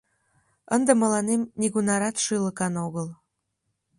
Ынде мыланем нигунарат шӱлыкан огыл.